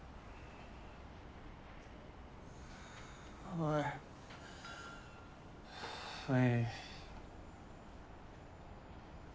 おいおい。